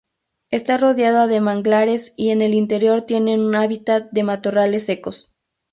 Está rodeada de manglares y en el interior tiene un hábitat de matorrales secos.